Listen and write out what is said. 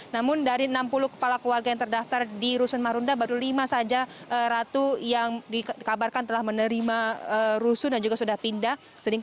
namun dari enam puluh kepala keluarga yang terdaftar di rusun marunda baru lima saja ratu yang dikabarkan telah menerima rusun dan juga sudah pindah